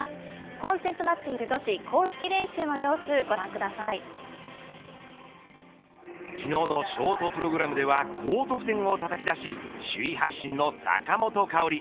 混戦となっている女子昨日のショートプログラムでは高得点をたたき出し首位発進の坂本花織。